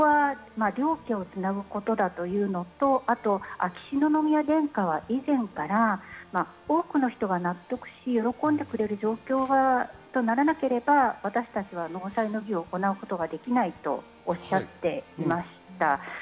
そこは両家をつなぐことだというのと秋篠宮殿下は以前から多くの人が納得し、喜んでくれる状況とならなければ私たちは納采の儀を行うことはできないとおっしゃっていました。